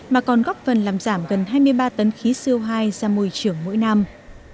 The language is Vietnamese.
mà còn góp phần làm giảm gần hai mươi ba tấn khí co hai ra môi trường mỗi năm